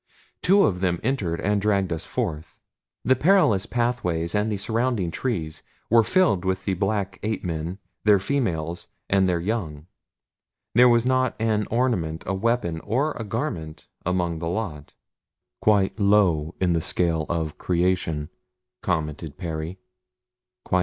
Two of them entered and dragged us forth. The perilous pathways and the surrounding trees were filled with the black ape men, their females, and their young. There was not an ornament, a weapon, or a garment among the lot. "Quite low in the scale of creation," commented Perry.